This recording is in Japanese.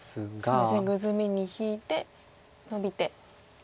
グズミに引いてノビて。